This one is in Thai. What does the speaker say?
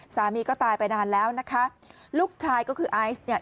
สามีก็ตายไปนานแล้วนะคะลูกชายก็คือไอซ์เนี่ย